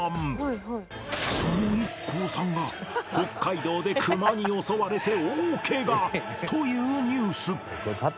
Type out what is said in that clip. その ＩＫＫＯ さんが北海道でクマに襲われて大怪我というニュース